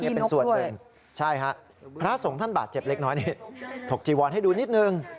นี่เป็นส่วนหนึ่งใช่ฮะพระสงฆ์ท่านบาดเจ็บเล็กน้อยนี่ถกจีวอนให้ดูนิดนึง